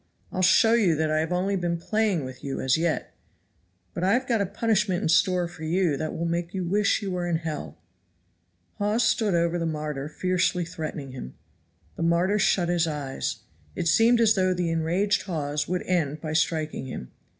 I'll show you that I have only been playing with you as yet. But I have got a punishment in store for you that will make you wish you were in hell." Hawes stood over the martyr fiercely threatening him. The martyr shut his eyes. It seemed as though the enraged Hawes would end by striking him.